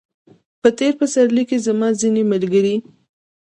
په تېر پسرلي کې زما ځینې ملګري